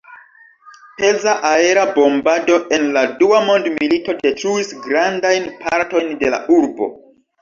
Peza aera bombado en la dua mondmilito detruis grandajn partojn de la urbo.